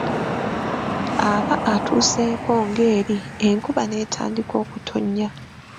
Aba atuuseeko ng’eri, enkuba n’entandika okutonnya.